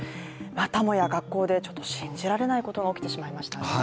またもや学校でちょっと信じられないことが起きてしまいましたね。